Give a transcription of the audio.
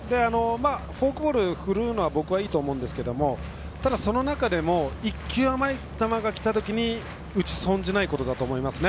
フォークボールを振るのは僕はいいと思うんですけれどもその中で１球甘い球がきたときに打ち損じないことだと思いますね。